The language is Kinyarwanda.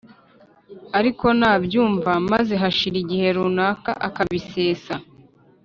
Ariko nabyumva maze hashira igihe runaka akabisesa